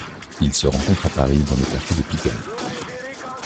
Ils se rencontrent à Paris dans le quartier de Pigalle.